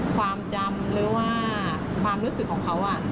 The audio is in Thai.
ความจำหรือว่าความรู้สึกของเขา